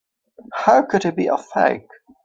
How could he be a fake?